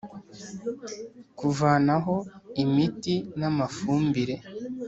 kuvanaho imiti n’ amafumbire